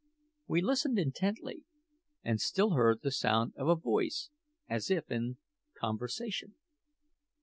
We listened intently, and still heard the sound of a voice as if in conversation.